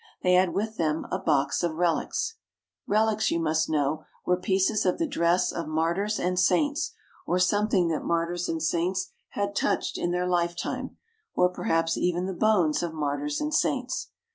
They had with them a box of relics." Relics, you must know, were pieces of the dress of martyrs and saints, or something that martyrs and saints had touched in their lifetime, or perhaps even the bones of martyrs and saints.